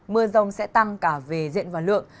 mưa rông sẽ tăng cả về diện và lượng